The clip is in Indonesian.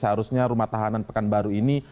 seharusnya rumah tahanan pekanbaru ini